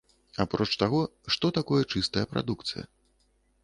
Апроч таго, што такое чыстая прадукцыя?